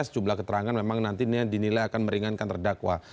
sejumlah keterangan memang nantinya dinilai akan meringankan terdakwa